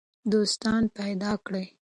دوستان پیدا کړئ.